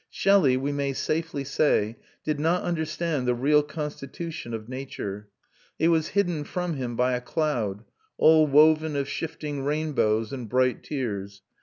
Shelley, we may safely say, did not understand the real constitution of nature. It was hidden from him by a cloud, all woven of shifting rainbows and bright tears.